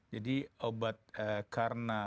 jadi obat karena